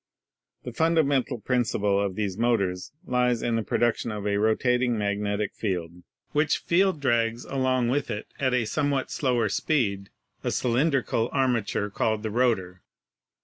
The funda mental principle of these motors lies in the production of a rotating magnetic field, which field drags along with it, at a somewhat slower speed, a cylindrical armature called the rotor.